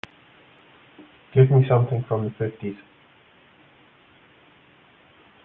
give me something from the fifties